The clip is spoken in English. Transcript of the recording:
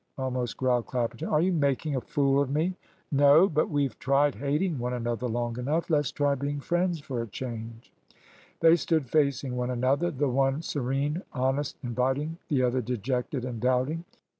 almost growled Clapperton; "are you making a fool of me?" "No but we've tried hating one another long enough. Let's try being friends for a change." They stood facing one another; the one serene, honest, inviting; the other dejected and doubting.